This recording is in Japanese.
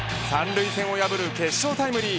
三塁線を破る決勝タイムリー。